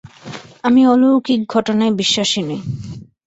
আমি অলৌলিক ঘটনায় বিশ্বাসী নই।